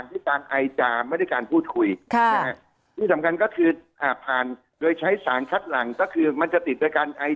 ระยะการติ๊ดอยู่ขึ้นดึงระยะประมาณ๑เมตร